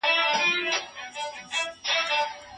ملتونو به د دوستۍ پیغامونه رسول.